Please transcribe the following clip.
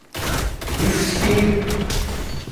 دِݽکی